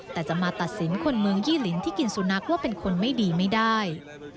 แต่จะมาตัดสินคนเมืองยี่ลิ้นที่กินสุนัขว่าเป็นคนไม่ดีไม่ได้